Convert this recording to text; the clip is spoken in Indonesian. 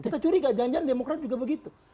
kita curiga janjian demokrat juga begitu